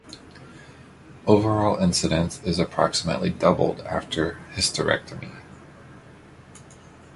Overall incidence is approximately doubled after hysterectomy.